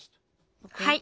はい。